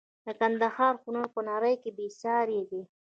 د ګندهارا هنر په نړۍ کې بې ساري دی